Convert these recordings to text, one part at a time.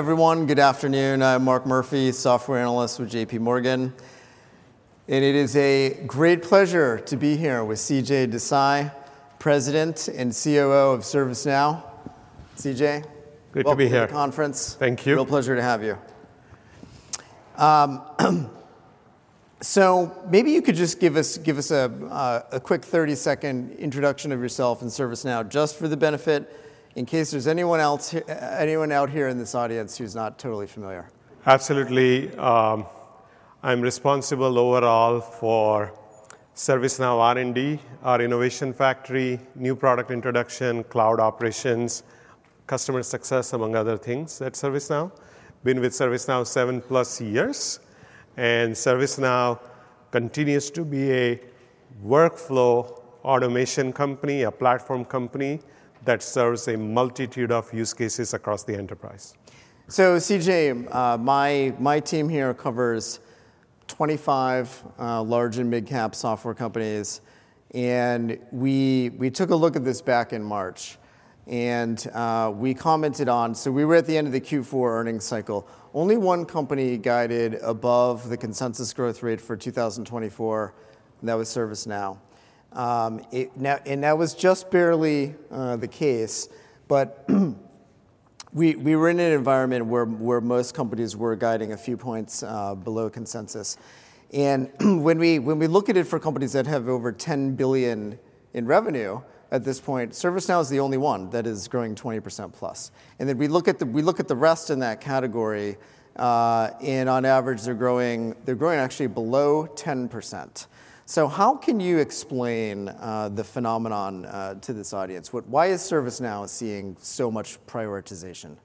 Everyone, good afternoon. I'm Mark Murphy, software analyst with JPMorgan Chase & Co. and it is a great pleasure to be here with CJ Desai, President and COO of ServiceNow. CJ- Good to be here. Welcome to the conference. Thank you. Real pleasure to have you. So maybe you could just give us a quick 30-second introduction of yourself and ServiceNow, just for the benefit, in case there's anyone else here, anyone out here in this audience who's not totally familiar. Absolutely. I'm responsible overall for ServiceNow R&D, our innovation factory, new product introduction, cloud operations, customer success, among other things at ServiceNow. Been with ServiceNow 7+ years, and ServiceNow continues to be a workflow automation company, a platform company, that serves a multitude of use cases across the enterprise. So, CJ, my team here covers 25 large and mid-cap software companies, and we took a look at this back in March, and we commented on. So we were at the end of the Q4 earnings cycle. Only one company guided above the consensus growth rate for 2024, and that was ServiceNow. And that was just barely the case, but we were in an environment where most companies were guiding a few points below consensus. And when we look at it for companies that have over $10 billion in revenue, at this point, ServiceNow is the only one that is growing 20%+. And if we look at the, we look at the rest in that category, and on average, they're growing actually below 10%. So how can you explain the phenomenon to this audience? What—why is ServiceNow seeing so much prioritization?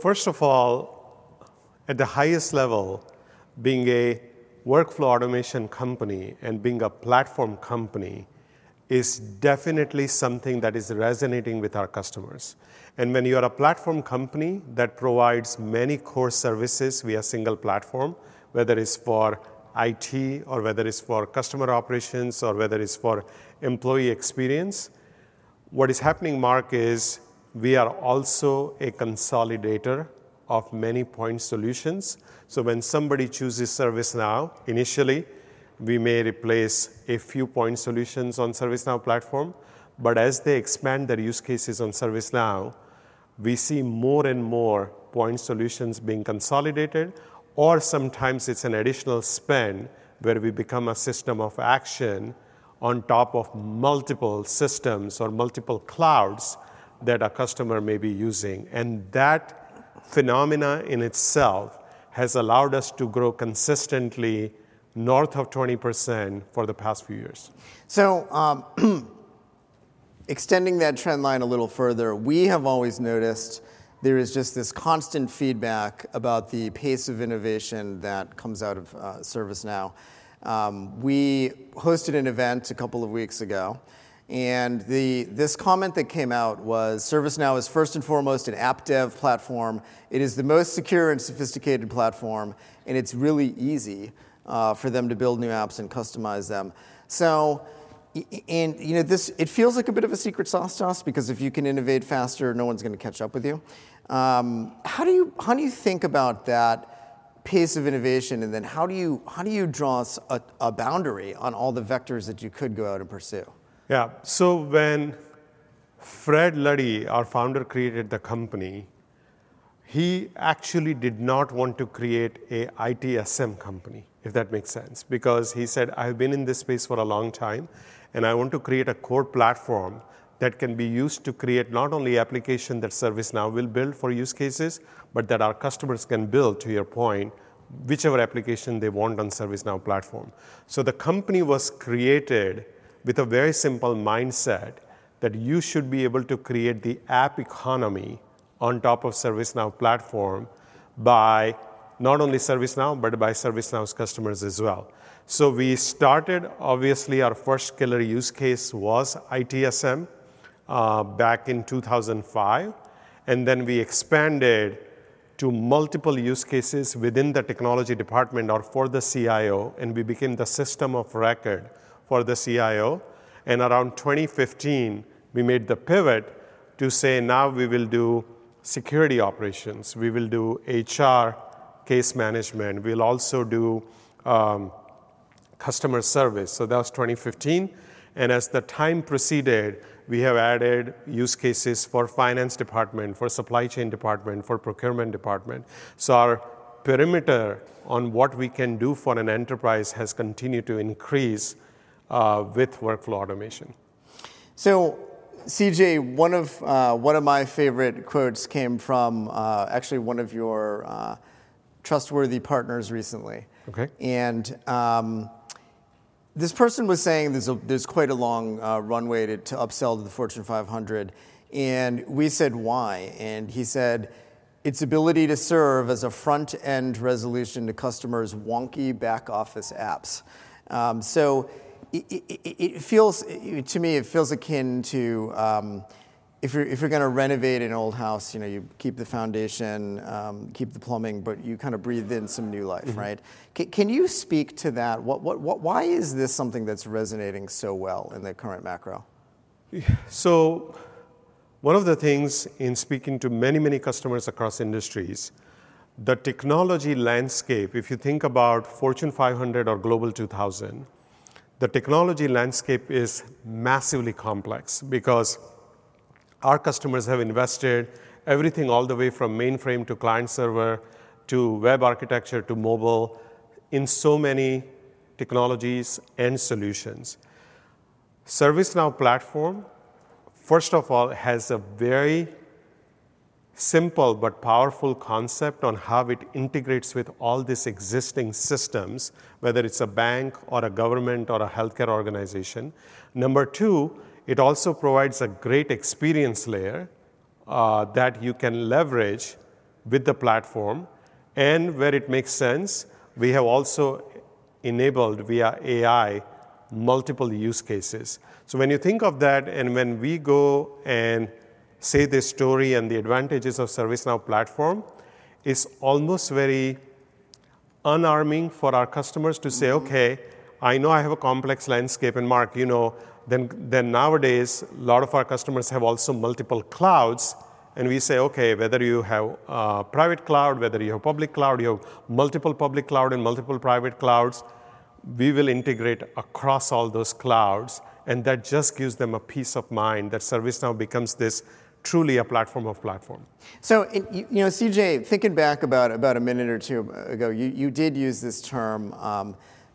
First of all, at the highest level, being a workflow automation company and being a platform company is definitely something that is resonating with our customers. When you are a platform company that provides many core services via single platform, whether it's for IT or whether it's for customer operations or whether it's for employee experience, what is happening, Mark, is we are also a consolidator of many point solutions. When somebody chooses ServiceNow, initially, we may replace a few point solutions on ServiceNow platform, but as they expand their use cases on ServiceNow, we see more and more point solutions being consolidated, or sometimes it's an additional spend, where we become a system of action on top of multiple systems or multiple clouds that a customer may be using. That phenomena in itself has allowed us to grow consistently north of 20% for the past few years. So, extending that trend line a little further, we have always noticed there is just this constant feedback about the pace of innovation that comes out of ServiceNow. We hosted an event a couple of weeks ago, and this comment that came out was: "ServiceNow is first and foremost an App Dev Platform. It is the most secure and sophisticated platform, and it's really easy for them to build new apps and customize them." So, and, you know, this, it feels like a bit of a secret sauce to us, because if you can innovate faster, no one's gonna catch up with you. How do you think about that pace of innovation, and then how do you draw a boundary on all the vectors that you could go out and pursue? Yeah. So when Fred Luddy, our founder, created the company, he actually did not want to create an ITSM company, if that makes sense, because he said: "I've been in this space for a long time, and I want to create a core platform that can be used to create not only application that ServiceNow will build for use cases, but that our customers can build," to your point, "whichever application they want on ServiceNow platform." So the company was created with a very simple mindset, that you should be able to create the app economy on top of ServiceNow platform by not only ServiceNow, but by ServiceNow's customers as well. So we started... Obviously, our first killer use case was ITSM back in 2005, and then we expanded to multiple use cases within the technology department or for the CIO, and we became the system of record for the CIO. And around 2015, we made the pivot to say, "Now we will do Security Operations, we will do HR case management, we'll also do Customer Service." So that was 2015, and as the time proceeded, we have added use cases for finance department, for supply chain department, for procurement department. So our perimeter on what we can do for an enterprise has continued to increase with workflow automation. So, CJ, one of my favorite quotes came from, actually one of your trustworthy partners recently. Okay. This person was saying there's quite a long runway to upsell to the Fortune 500, and we said, "Why?" And he said, "It's ability to serve as a front-end resolution to customers' wonky back-office apps." So it feels, to me, it feels akin to if you're gonna renovate an old house, you know, you keep the foundation, keep the plumbing, but you kind of breathe in some new life, right? Mm-hmm. Can you speak to that? Why is this something that's resonating so well in the current macro?... So one of the things in speaking to many, many customers across industries, the technology landscape, if you think about Fortune 500 or Global 2000, the technology landscape is massively complex because our customers have invested everything all the way from mainframe to client server to web architecture to mobile in so many technologies and solutions. ServiceNow platform, first of all, has a very simple but powerful concept on how it integrates with all these existing systems, whether it's a bank or a government or a healthcare organization. Number two, it also provides a great experience layer, that you can leverage with the platform, and where it makes sense, we have also enabled via AI, multiple use cases. So when you think of that, and when we go and say this story and the advantages of ServiceNow platform, it's almost very disarming for our customers to say, "Okay, I know I have a complex landscape." And Mark, you know, then nowadays, a lot of our customers have also multiple clouds, and we say, "Okay, whether you have private cloud, whether you have public cloud, you have multiple public cloud and multiple private clouds, we will integrate across all those clouds." And that just gives them a peace of mind that ServiceNow becomes this truly a platform of platform. So, you know, CJ, thinking back about a minute or two ago, you did use this term,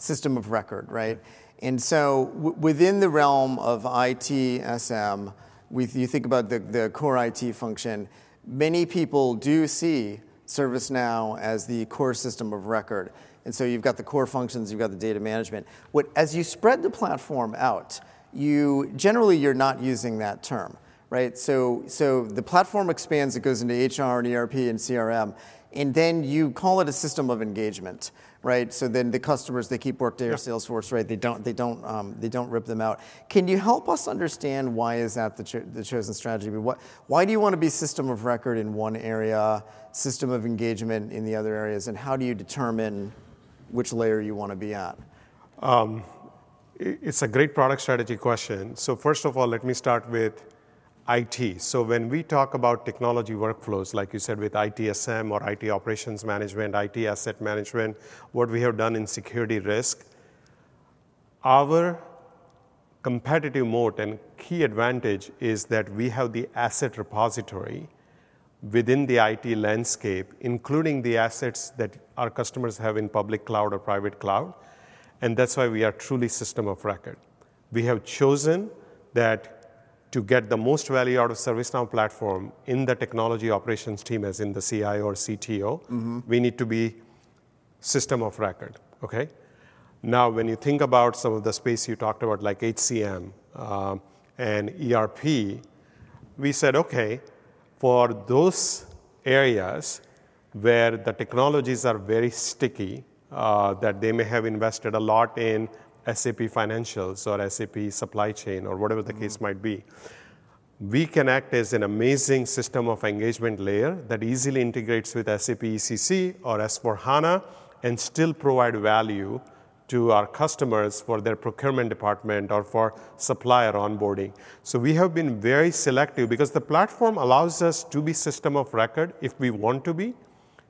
system of record, right? And so within the realm of ITSM, when you think about the core IT function, many people do see ServiceNow as the core system of record. And so you've got the core functions, you've got the data management. What, as you spread the platform out, you generally, you're not using that term, right? So the platform expands, it goes into HR and ERP and CRM, and then you call it a system of engagement, right? So then the customers, they keep Workday or Salesforce, right? They don't rip them out. Can you help us understand why is that the chosen strategy? But why do you want to be system of record in one area, system of engagement in the other areas, and how do you determine which layer you want to be at? It's a great product strategy question. So first of all, let me start with IT. So when we talk about technology workflows, like you said, with ITSM or IT Operations Management, IT Asset Management, what we have done in Security Risk, our competitive moat and key advantage is that we have the asset repository within the IT landscape, including the assets that our customers have in public cloud or private cloud, and that's why we are truly system of record. We have chosen that to get the most value out of ServiceNow platform in the technology operations team, as in the CIO or CTO- Mm-hmm. We need to be system of record, okay? Now, when you think about some of the space you talked about, like HCM, and ERP, we said, okay, for those areas where the technologies are very sticky, that they may have invested a lot in SAP financials or SAP supply chain or whatever the case might be, we can act as an amazing system of engagement layer that easily integrates with SAP ECC or S/4HANA, and still provide value to our customers for their procurement department or for supplier onboarding. So we have been very selective because the platform allows us to be system of record if we want to be,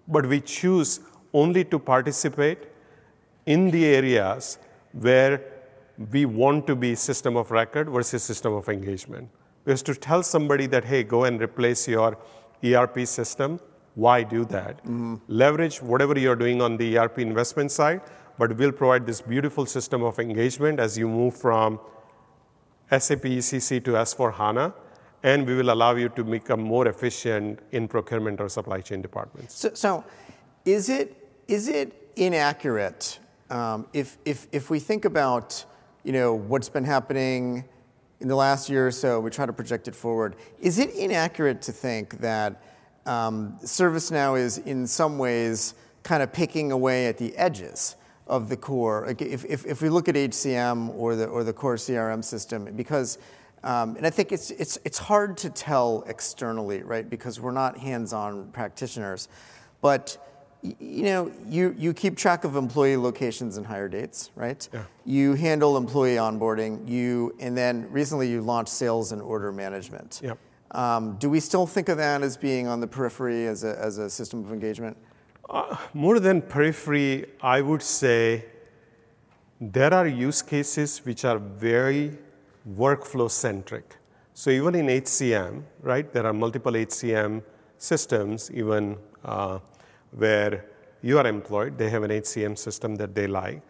but we choose only to participate in the areas where we want to be system of record versus system of engagement. Because to tell somebody that, "Hey, go and replace your ERP system," why do that? Mm. Leverage whatever you're doing on the ERP investment side, but we'll provide this beautiful system of engagement as you move from SAP ECC to S/4HANA, and we will allow you to become more efficient in procurement or supply chain departments. So is it inaccurate if we think about, you know, what's been happening in the last year or so, we try to project it forward, is it inaccurate to think that ServiceNow is in some ways kind of picking away at the edges of the core? If we look at HCM or the core CRM system, because and I think it's hard to tell externally, right? Because we're not hands-on practitioners, but you know, you keep track of employee locations and hire dates, right? Yeah. You handle employee onboarding, and then recently, you launched Sales and Order Management. Yep. Do we still think of that as being on the periphery as a, as a system of engagement? More than periphery, I would say there are use cases which are very workflow-centric. So even in HCM, right, there are multiple HCM systems, even, where you are employed, they have an HCM system that they like,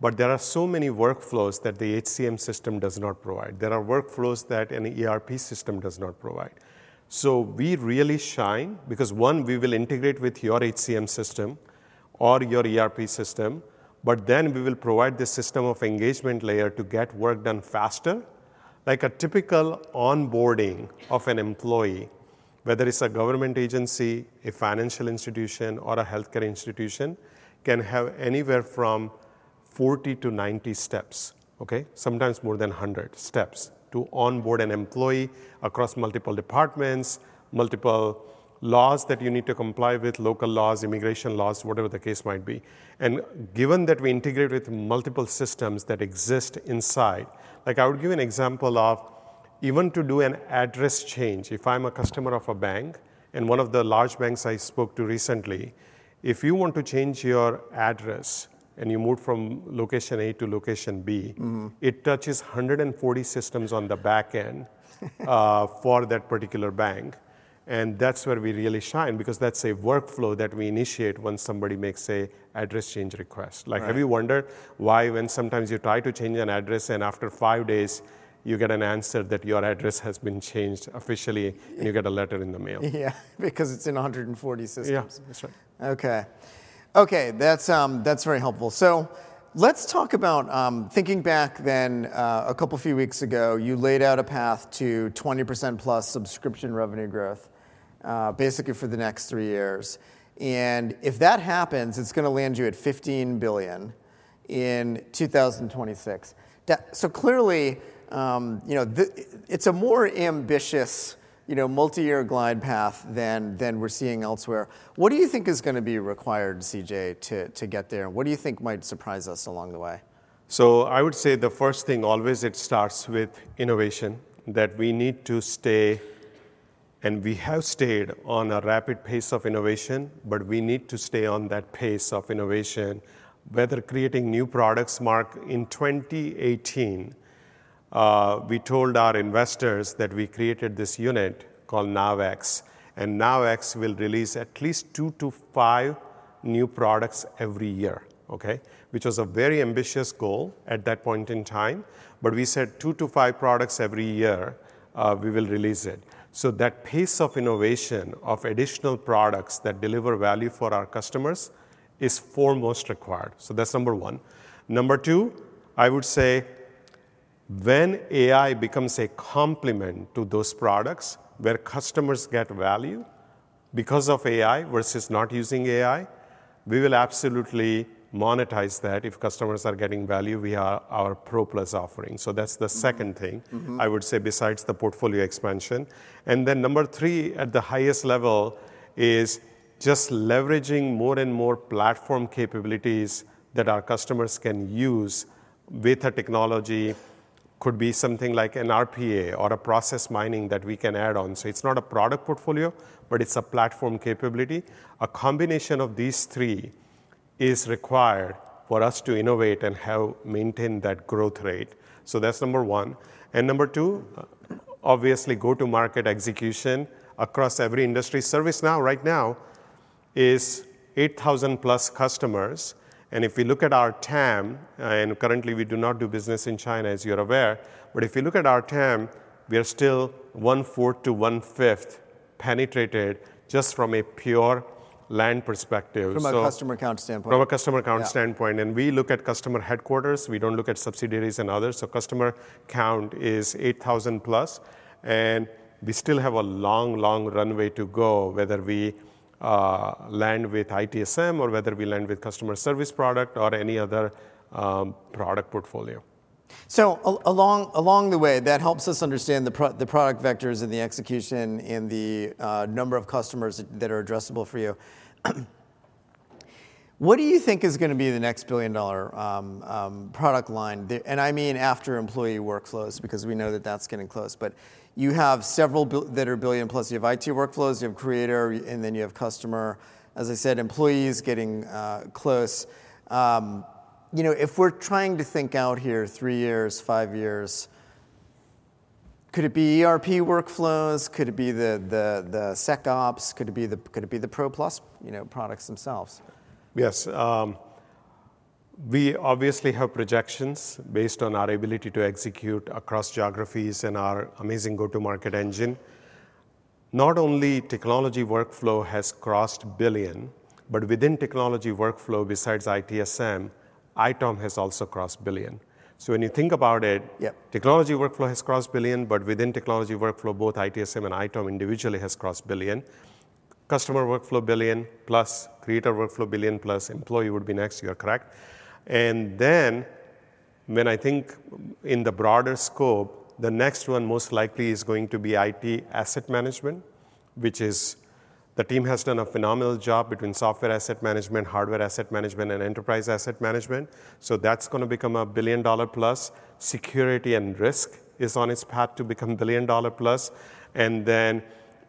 but there are so many workflows that the HCM system does not provide. There are workflows that an ERP system does not provide. So we really shine because, one, we will integrate with your HCM system or your ERP system, but then we will provide the system of engagement layer to get work done faster. Like a typical onboarding of an employee, whether it's a government agency, a financial institution, or a healthcare institution, can have anywhere from 40-90 steps, okay? Sometimes more than 100 steps to onboard an employee across multiple departments, multiple laws that you need to comply with, local laws, immigration laws, whatever the case might be. Given that we integrate with multiple systems that exist inside, like I would give an example of even to do an address change, if I'm a customer of a bank, and one of the large banks I spoke to recently, if you want to change your address and you moved from location A to location B- Mm-hmm. It touches 140 systems on the back end for that particular bank. That's where we really shine because that's a workflow that we initiate when somebody makes an address change request. Right. Like, have you wondered why when sometimes you try to change an address and after 5 days you get an answer that your address has been changed officially, and you get a letter in the mail? Yeah, because it's in 140 systems. Yeah, that's right. Okay. Okay, that's, that's very helpful. So let's talk about... Thinking back then, a couple few weeks ago, you laid out a path to 20%+ subscription revenue growth, basically for the next three years, and if that happens, it's gonna land you at $15 billion in 2026. So clearly, you know, the, it's a more ambitious, you know, multi-year glide path than, than we're seeing elsewhere. What do you think is gonna be required, CJ, to, to get there? What do you think might surprise us along the way? So I would say the first thing always, it starts with innovation, that we need to stay, and we have stayed on a rapid pace of innovation, but we need to stay on that pace of innovation, whether creating new products. Mark, in 2018, we told our investors that we created this unit called NowX, and NowX will release at least 2-5 new products every year, okay? Which was a very ambitious goal at that point in time, but we said 2-5 products every year, we will release it. So that pace of innovation of additional products that deliver value for our customers is foremost required. So that's number one. Number two, I would say when AI becomes a complement to those products, where customers get value because of AI versus not using AI, we will absolutely monetize that. If customers are getting value via our Pro Plus offering. So that's the second thing- Mm-hmm, mm-hmm. I would say, besides the portfolio expansion. And then number 3, at the highest level, is just leveraging more and more platform capabilities that our customers can use with our technology, could be something like an RPA or a Process Mining that we can add on. So it's not a product portfolio, but it's a platform capability. A combination of these three is required for us to innovate and help maintain that growth rate. So that's number one. And number two, obviously, go-to-market execution across every industry. ServiceNow right now is 8,000+ customers, and if we look at our TAM, and currently, we do not do business in China, as you're aware, but if you look at our TAM, we are still one-fourth to one-fifth penetrated just from a pure land perspective, so- From a customer account standpoint. From a customer account standpoint. Yeah. We look at customer headquarters. We don't look at subsidiaries and others. Customer count is 8,000+, and we still have a long, long runway to go, whether we land with ITSM or whether we land with Customer Service product or any other product portfolio. So along the way, that helps us understand the product vectors and the execution and the number of customers that are addressable for you. What do you think is gonna be the next billion-dollar product line? And I mean after employee workflows, because we know that that's getting close, but you have several that are billion-plus. You have IT workflows, you have creator, and then you have customer. As I said, employee is getting close. You know, if we're trying to think out here three years, five years, could it be ERP workflows? Could it be the SecOps? Could it be the Pro Plus, you know, products themselves? Yes. We obviously have projections based on our ability to execute across geographies and our amazing go-to-market engine. Not only technology workflow has crossed billion dollars, but within technology workflow, besides ITSM, ITOM has also crossed billion dollar. Yeah. When you think about it- Yeah .Technology Workflow has crossed billion dollar, but within Technology Workflow, both ITSM and ITOM individually has crossed $1 billion. Customer Workflow, billion plus dollars; Creator Workflow, billion plus dollars; Employee would be next, you are correct. And then when I think in the broader scope, the next one most likely is going to be IT Asset Management, which is... The team has done a phenomenal job between Software Asset Management, Hardware Asset Management, and Enterprise Asset Management, so that's gonna become a billion-dollar-plus. Security and Risk is on its path to become $1 billion-dollar-plus, and then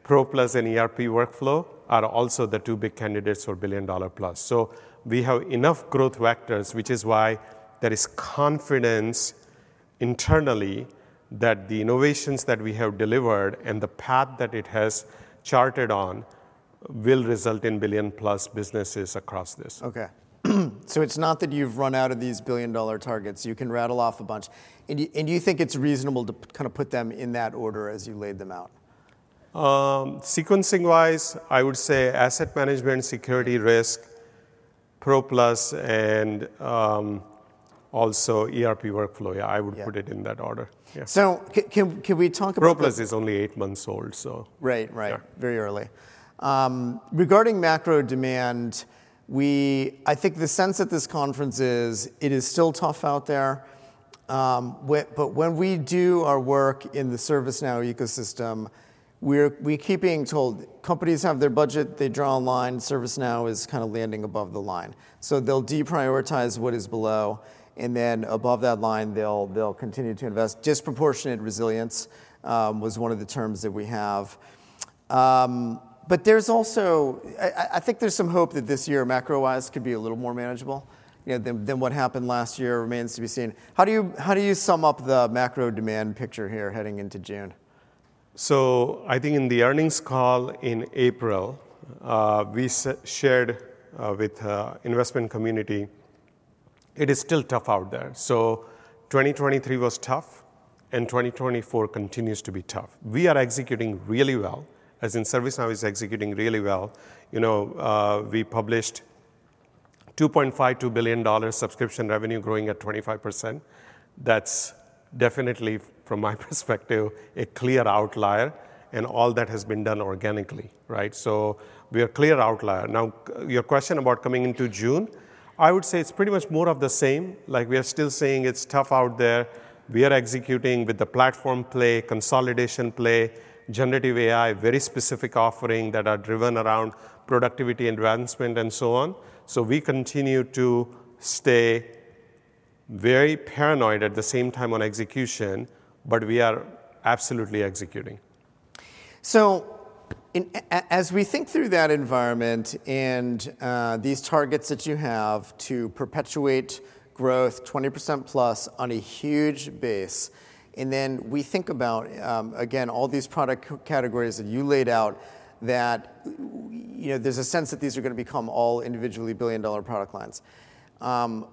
Pro Plus and ERP Workflow are also the two big candidates for billion-dollar plus. So we have enough growth vectors, which is why there is confidence internally that the innovations that we have delivered and the path that it has charted on will result in billion-plus dollars businesses across this. Okay. So it's not that you've run out of these billion-dollar targets. You can rattle off a bunch. And you think it's reasonable to kind of put them in that order as you laid them out? Sequencing-wise, I would say Asset Management, Security Risk, Pro Plus, and also ERP workflow. Yeah- Yeah. I would put it in that order. Yeah. Can we talk about the- Pro Plus is only eight months old, so... Right, right. Yeah. Very early. Regarding macro demand, we—I think the sense at this conference is it is still tough out there. But when we do our work in the ServiceNow ecosystem, we're, we keep being told companies have their budget, they draw a line, ServiceNow is kind of landing above the line. So they'll deprioritize what is below, and then above that line, they'll, they'll continue to invest. Disproportionate resilience was one of the terms that we have. But there's also, I think there's some hope that this year, macro-wise, could be a little more manageable, you know, than what happened last year. Remains to be seen. How do you, how do you sum up the macro demand picture here heading into June? So I think in the earnings call in April, we shared with the investment community, it is still tough out there. So 2023 was tough, and 2024 continues to be tough. We are executing really well, as in ServiceNow is executing really well. You know, we published $2.52 billion subscription revenue growing at 25%. That's definitely, from my perspective, a clear outlier, and all that has been done organically, right? So we are clear outlier. Now, your question about coming into June, I would say it's pretty much more of the same. Like we are still saying it's tough out there. We are executing with the platform play, consolidation play, generative AI, very specific offering that are driven around productivity, advancement, and so on. So we continue to stay very paranoid at the same time on execution, but we are absolutely executing. So as we think through that environment and these targets that you have to perpetuate growth 20%+ on a huge base, and then we think about, again, all these product categories that you laid out, that, you know, there's a sense that these are going to become all individually billion-dollar product lines.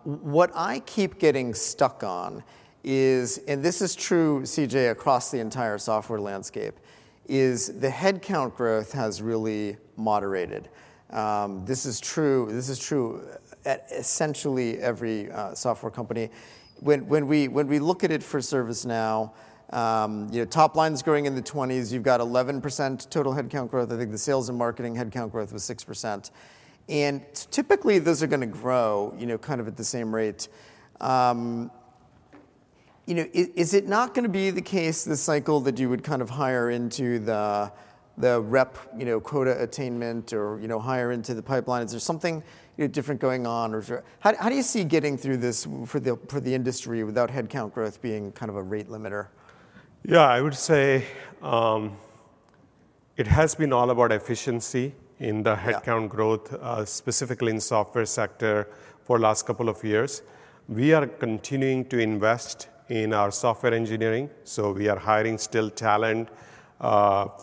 What I keep getting stuck on is, and this is true, CJ, across the entire software landscape, is the headcount growth has really moderated. This is true, this is true at essentially every software company. When we look at it for ServiceNow, you know, top line's growing in the 20s, you've got 11% total headcount growth. I think the sales and marketing headcount growth was 6%, and typically, those are gonna grow, you know, kind of at the same rate. You know, is it not gonna be the case this cycle that you would kind of hire into the rep, you know, quota attainment or, you know, hire into the pipeline? Is there something, you know, different going on, or how do you see getting through this for the industry without headcount growth being kind of a rate limiter? Yeah, I would say, it has been all about efficiency in the- Yeah... headcount growth, specifically in software sector for last couple of years. We are continuing to invest in our software engineering, so we are hiring still talent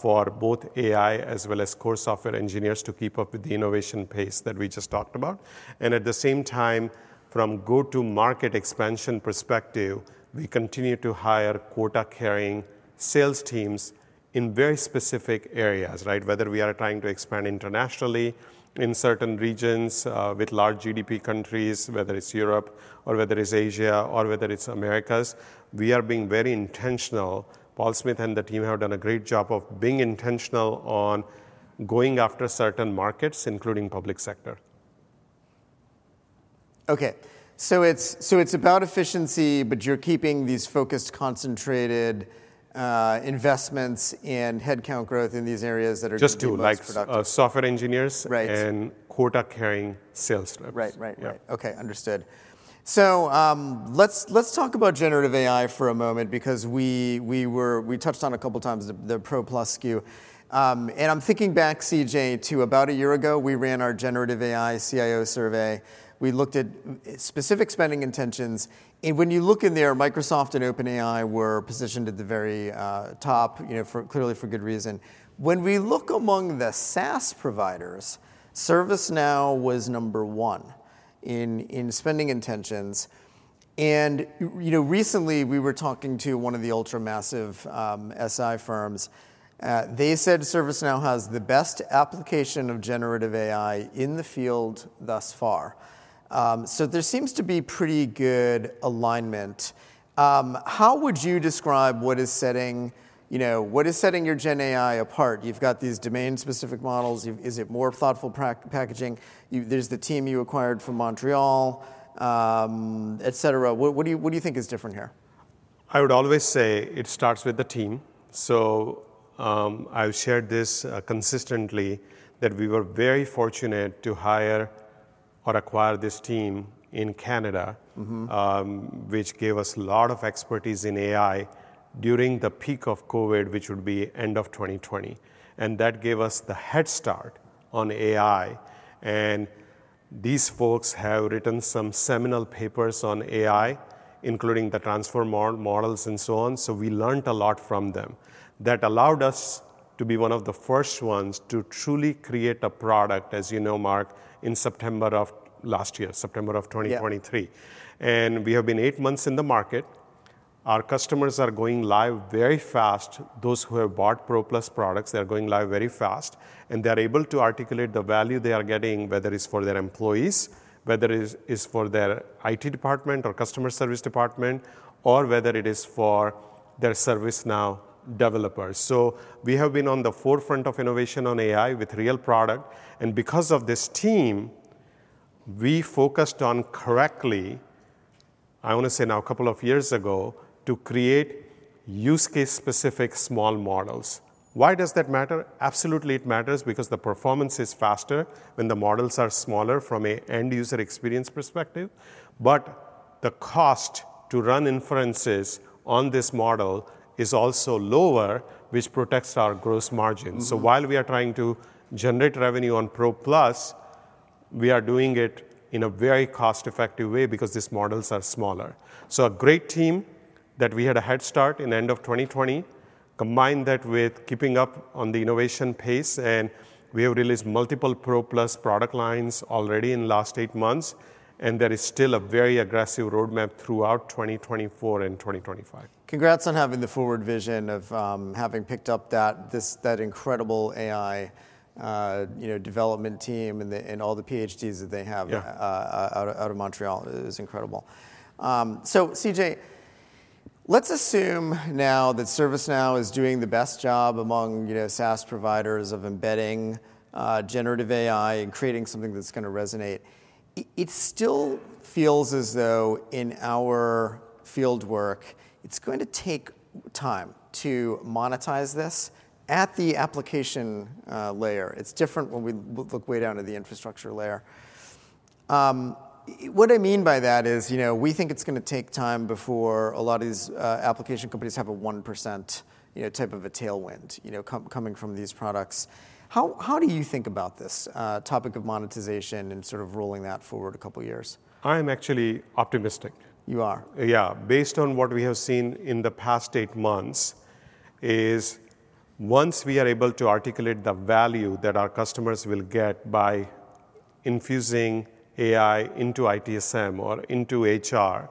for both AI as well as core software engineers to keep up with the innovation pace that we just talked about. And at the same time, from go-to market expansion perspective, we continue to hire quota-carrying sales teams in very specific areas, right? Whether we are trying to expand internationally in certain regions with large GDP countries, whether it's Europe or whether it's Asia or whether it's Americas, we are being very intentional. Paul Smith and the team have done a great job of being intentional on going after certain markets, including public sector. Okay. So it's about efficiency, but you're keeping these focused, concentrated investments in headcount growth in these areas that are- Just two the most productive. Like, software engineers- Right... and quota-carrying sales reps. Right, right, right. Yeah. Okay, understood. So, let's talk about generative AI for a moment because we touched on a couple of times the Pro Plus SKU. And I'm thinking back, CJ, to about a year ago, we ran our generative AI CIO survey. We looked at specific spending intentions, and when you look in there, Microsoft and OpenAI were positioned at the very, top, you know, for clearly for good reason. When we look among the SaaS providers, ServiceNow was number one in spending intentions. And you know, recently, we were talking to one of the ultra-massive, SI firms. They said ServiceNow has the best application of generative AI in the field thus far. So there seems to be pretty good alignment. How would you describe what is setting, you know, what is setting your GenAI apart? You've got these domain-specific models. Is it more thoughtful packaging? There's the team you acquired from Montreal, et cetera. What do you think is different here? I would always say it starts with the team. So, I've shared this consistently, that we were very fortunate to hire or acquire this team in Canada- Mm-hmm... which gave us a lot of expertise in AI during the peak of COVID, which would be end of 2020, and that gave us the head start on AI. These folks have written some seminal papers on AI, including the Transformer models and so on. So we learned a lot from them. That allowed us to be one of the first ones to truly create a product, as you know, Mark, in September of last year, September of 2023. Yeah. We have been eight months in the market. Our customers are going live very fast. Those who have bought Pro Plus products, they are going live very fast, and they are able to articulate the value they are getting, whether it's for their employees, whether it's, it's for their IT department or Customer Service department, or whether it is for their ServiceNow developers. So we have been on the forefront of innovation on AI with real product, and because of this team, we focused on correctly. I want to say now, a couple of years ago, to create use case-specific small models. Why does that matter? Absolutely, it matters because the performance is faster when the models are smaller from an end-user experience perspective, but the cost to run inferences on this model is also lower, which protects our gross margin. Mm-hmm. While we are trying to generate revenue on Pro Plus, we are doing it in a very cost-effective way because these models are smaller. A great team that we had a head start in the end of 2020. Combine that with keeping up on the innovation pace, and we have released multiple Pro Plus product lines already in the last 8 months, and there is still a very aggressive roadmap throughout 2024 and 2025. Congrats on having the forward vision of having picked up that incredible AI, you know, development team and all the PhDs that they have- Yeah... out of Montreal. It is incredible. So, CJ, let's assume now that ServiceNow is doing the best job among, you know, SaaS providers of embedding generative AI and creating something that's gonna resonate. It still feels as though in our field work, it's going to take time to monetize this at the application layer. It's different when we look way down to the infrastructure layer. What I mean by that is, you know, we think it's gonna take time before a lot of these application companies have a 1%, you know, type of a tailwind, you know, coming from these products. How do you think about this topic of monetization and sort of rolling that forward a couple of years? I am actually optimistic. You are? Yeah. Based on what we have seen in the past 8 months, is once we are able to articulate the value that our customers will get by infusing AI into ITSM or into HR,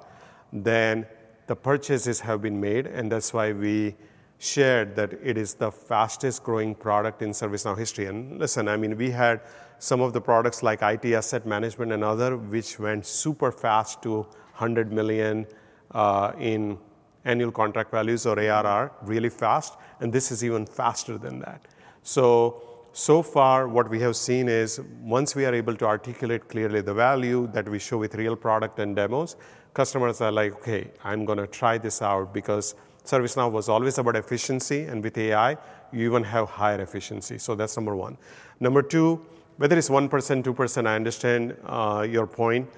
then the purchases have been made, and that's why we shared that it is the fastest-growing product in ServiceNow history. And listen, I mean, we had some of the products like IT Asset Management and other, which went super fast to $100 million in annual contract values or ARR really fast, and this is even faster than that. So, so far, what we have seen is once we are able to articulate clearly the value that we show with real product and demos, customers are like: "Okay, I'm gonna try this out," because ServiceNow was always about efficiency, and with AI, you even have higher efficiency. So that's number one. Number two, whether it's 1%, 2%, I understand your point.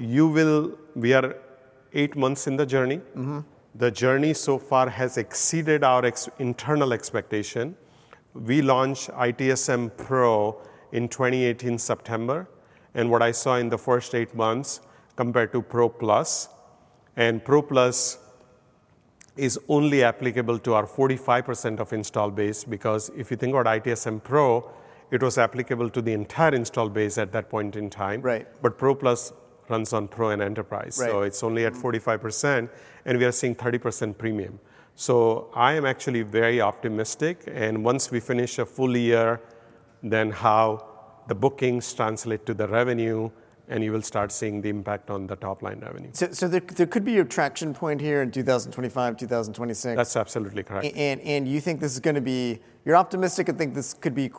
We are eight months in the journey. Mm-hmm. The journey so far has exceeded our internal expectation. We launched ITSM Pro in 2018, September, and what I saw in the first eight months compared to Pro Plus, and Pro Plus is only applicable to our 45% of installed base, because if you think about ITSM Pro, it was applicable to the entire installed base at that point in time. Right. But Pro Plus runs on Pro and Enterprise. Right. So it's only at 45%, and we are seeing 30% premium. So I am actually very optimistic, and once we finish a full year, then how the bookings translate to the revenue, and you will start seeing the impact on the top-line revenue. So, there could be a traction point here in 2025, 2026? That's absolutely correct. You think this is gonna be... You're optimistic and think this could be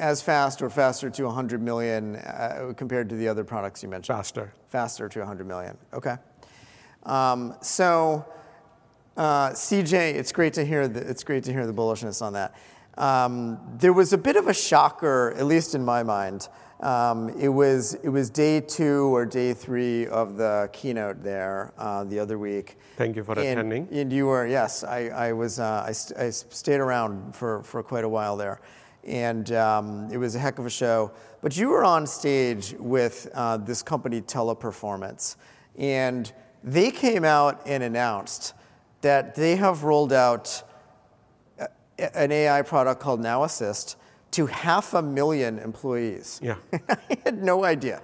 as fast or faster to 100 million, compared to the other products you mentioned? Faster. Faster to 100 million. Okay. So, CJ, it's great to hear the, it's great to hear the bullishness on that. There was a bit of a shocker, at least in my mind. It was, it was day two or day three of the keynote there, the other week. Thank you for attending. And you were... Yes, I was, I stayed around for quite a while there, and it was a heck of a show. But you were on stage with this company, Teleperformance, and they came out and announced that they have rolled out an AI product called Now Assist to 500,000 employees. Yeah. I had no idea.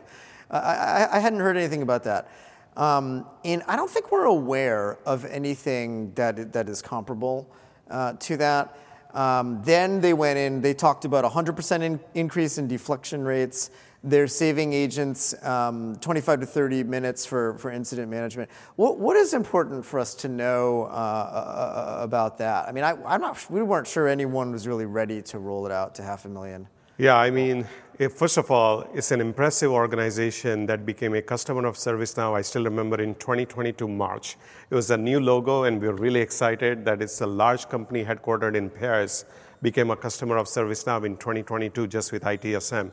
I hadn't heard anything about that. I don't think we're aware of anything that is comparable to that. Then they went in, they talked about 100% increase in deflection rates. They're saving agents 25-30 minutes for incident management. What is important for us to know about that? I mean, I'm not. We weren't sure anyone was really ready to roll it out to 500,000. Yeah, I mean, first of all, it's an impressive organization that became a customer of ServiceNow. I still remember in 2022, March, it was a new logo, and we were really excited that it's a large company headquartered in Paris, became a customer of ServiceNow in 2022, just with ITSM.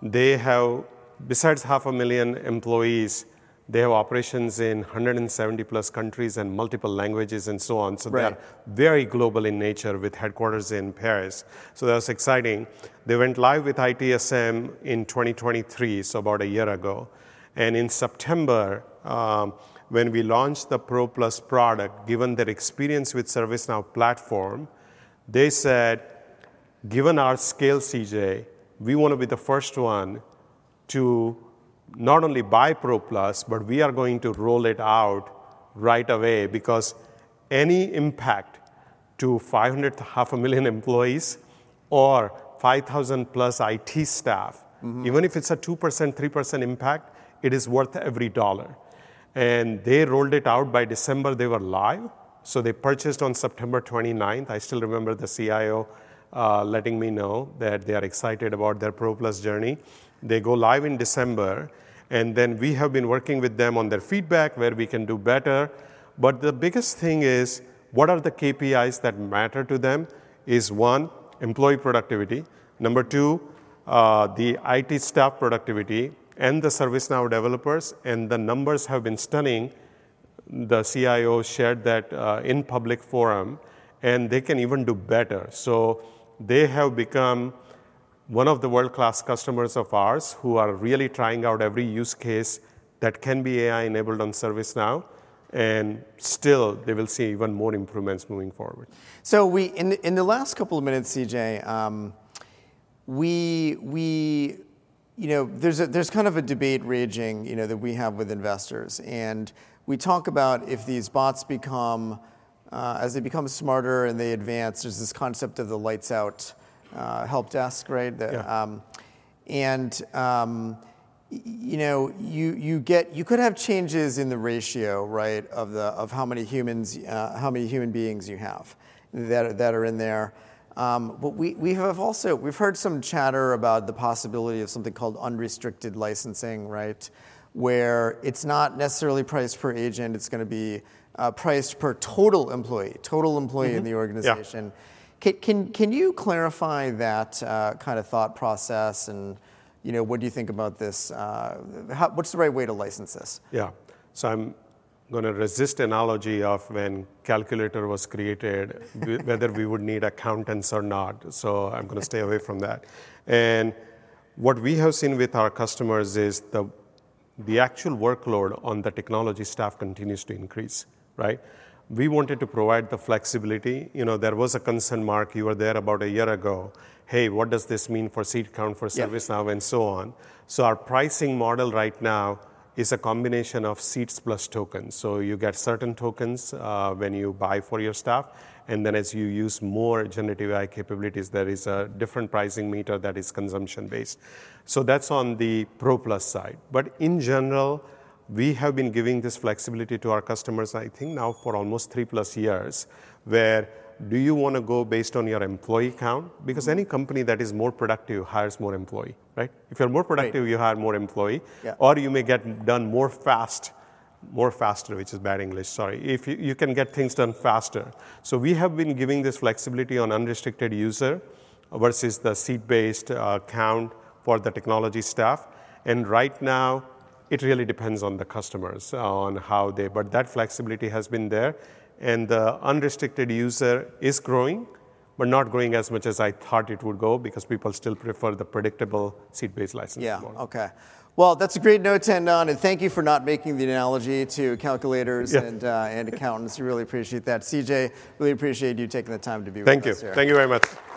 They have, besides 500,000 employees, they have operations in 170+ countries and multiple languages and so on. Right. So they are very global in nature with headquarters in Paris. So that was exciting. They went live with ITSM in 2023, so about a year ago. And in September, when we launched the Pro Plus product, given their experience with ServiceNow platform, they said: "Given our scale, CJ, we want to be the first one to not only buy Pro Plus, but we are going to roll it out right away," because any impact to 500 to 500,000 employees or 5,000+ IT staff- Mm-hmm... even if it's a 2%, 3% impact, it is worth every dollar. They rolled it out. By December, they were live. They purchased on September 29th. I still remember the CIO letting me know that they are excited about their Pro Plus journey. They go live in December, and then we have been working with them on their feedback, where we can do better. The biggest thing is, what are the KPIs that matter to them? One, employee productivity. Number two, the IT staff productivity and the ServiceNow developers, and the numbers have been stunning. The CIO shared that in public forum, and they can even do better. They have become one of the world-class customers of ours, who are really trying out every use case that can be AI-enabled on ServiceNow, and still they will see even more improvements moving forward. So, in the last couple of minutes, CJ, we, you know, there's kind of a debate raging, you know, that we have with investors, and we talk about if these bots become as they become smarter and they advance, there's this concept of the lights out help desk, right? Yeah. You know, you get, you could have changes in the ratio, right, of how many humans, how many human beings you have that are in there. But we have also, we've heard some chatter about the possibility of something called unrestricted licensing, right? Where it's not necessarily priced per agent, it's going to be priced per total employee. Mm-hmm. in the organization. Yeah. Can you clarify that kind of thought process and, you know, what do you think about this? What's the right way to license this? Yeah. So I'm going to resist the analogy of when the calculator was created - whether we would need accountants or not. So I'm going to stay away from that. And what we have seen with our customers is the actual workload on the technology staff continues to increase, right? We wanted to provide the flexibility. You know, there was a concern, Mark, you were there about a year ago: "Hey, what does this mean for seat count for ServiceNow- Yeah. “and so on?” So our pricing model right now is a combination of seats plus tokens. So you get certain tokens when you buy for your staff, and then as you use more generative AI capabilities, there is a different pricing meter that is consumption based. So that's on the Pro Plus side. But in general, we have been giving this flexibility to our customers. I think now for almost 3+ years, where do you want to go based on your employee count? Mm. Because any company that is more productive hires more employee, right? If you're more productive- Right. you hire more employee. Yeah. Or you may get done more fast, more faster, which is bad English, sorry. If you can get things done faster. So we have been giving this flexibility on unrestricted user versus the seat-based count for the technology staff, and right now it really depends on the customers, on how they... But that flexibility has been there, and the unrestricted user is growing, but not growing as much as I thought it would go, because people still prefer the predictable seat-based license model. Yeah. Okay. Well, that's a great note to end on, and thank you for not making the analogy to calculators- Yeah. And accountants. We really appreciate that. CJ, really appreciate you taking the time to be with us here. Thank you. Thank you very much.